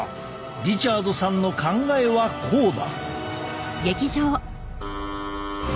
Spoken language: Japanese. リチャードさんの考えはこうだ。